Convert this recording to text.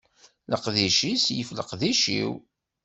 Leqdic-is yif leqdic-iw.